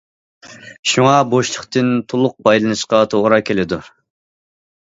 شۇڭا بوشلۇقتىن تولۇق پايدىلىنىشقا توغرا كېلىدۇ.